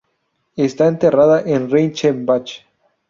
Está enterrada en Reichenbach.